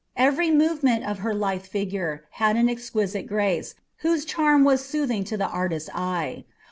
Every movement of her lithe figure had an exquisite grace, whose charm was soothing to the artist's eye.